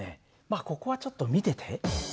まあここはちょっと見てて。